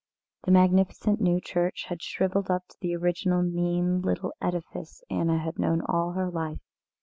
The magnificent new church had shrivelled up to the original mean little edifice Anna had known all her life.